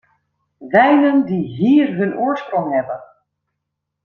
Wijnen die hier hun oorsprong hebben!